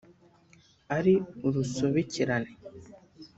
ari urusobekerane